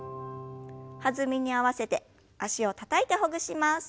弾みに合わせて脚をたたいてほぐします。